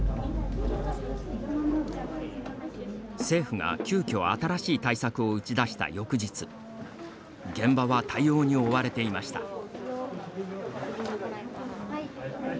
政府が急きょ新しい対策を打ち出した翌日現場は対応に追われていました。